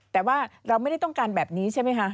แต่ว่าเราไม่ได้ต้องการแบบนี้ใช่ไหมคะ